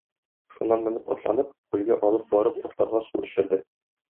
Шуннан менеп атланып, күлгә алып барып атларга су эчерде.